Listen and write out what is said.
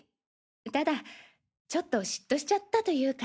ただちょっと嫉妬しちゃったというか。